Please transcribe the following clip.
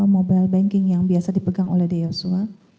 mobile banking yang biasa dipegang oleh darius joshua